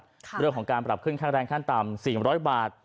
เรื่องของการปรับขึ้นค่าแรงขั้นต่ำ๔๐๐บาท